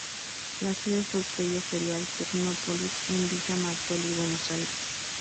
La sede fue el Predio Ferial Tecnópolis, en Villa Martelli, Buenos Aires.